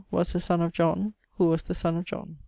was the son of John, who was the son of John.